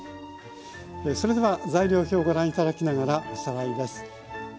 それでは材料表をご覧頂きながらおさらいです。